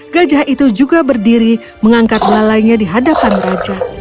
gajah itu juga berdiri mengangkat belalainya di hadapan raja